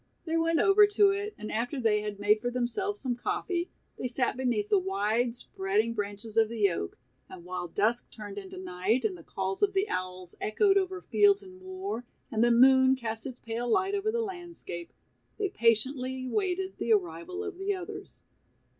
They went over to it, and after they had made for themselves some coffee, they sat beneath the wide spreading branches of the oak and while dusk turned into night and the calls of the owls echoed over fields and moor, and the moon cast its pale light over the landscape, they patiently waited the arrival of the others.